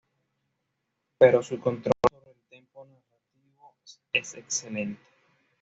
Pero su control sobre el tempo narrativo es excelente.